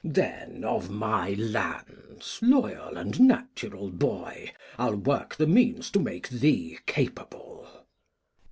Then of my Lands, loyal and natural Boy, I'll work the Means to make thee capable.